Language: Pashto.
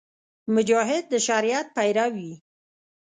مجاهد د شریعت پیرو وي.